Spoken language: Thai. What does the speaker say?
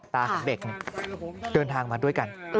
ของเด็กเดินทางมาด้วยกัน